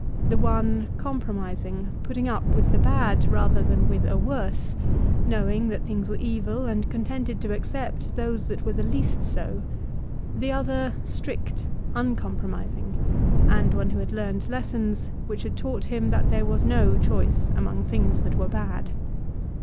The one compromising, putting up with the bad rather than with a worse, knowing that things were evil and contented to accept those that were the least so; the other strict, uncompromising, and one who had learned lessons which had taught him that there Was no choice among things that were bad